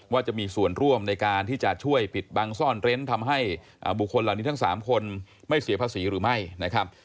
จะมีส่วนร่วมในการที่จะช่วยปิดบังซ่อนเร้นทำให้บุคคลเหล่านี้ทั้ง๓คนไม่เสียภาษีหรือไม่นะครับ